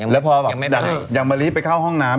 แล้วพ่อยังมาลิตไปเข้าห้องน้ำ